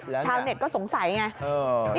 ชาวเน็ตก็สงสัยไง